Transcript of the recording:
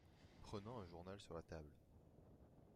Prenant un journal sur la table.